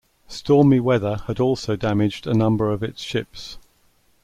Stormy weather had also damaged a number of its ships.